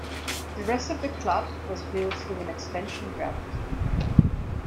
The rest of the club was built through an expansion draft.